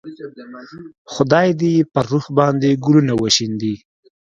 خدای دې یې پر روح باندې ګلونه وشیندي.